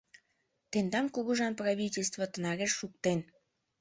Тендам кугыжан правительство тынарыш шуктен.